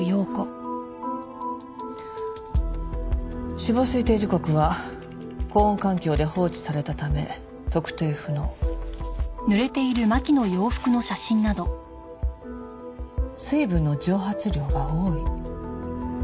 「死亡推定時刻は高温環境で放置されたため特定不能」「水分の蒸発量が多い」。